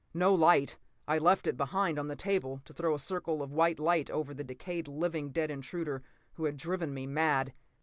No light. I left it behind, on the table, to throw a circle of white glare over the decayed, living dead intruder who had driven me mad.